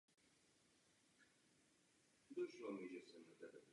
Spodní část těla včetně spodku ocasu a prsou je bílá.